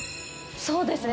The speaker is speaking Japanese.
そうですね。